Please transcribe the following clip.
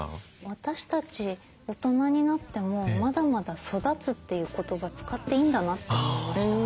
私たち大人になってもまだまだ「育つ」という言葉使っていいんだなって思いました。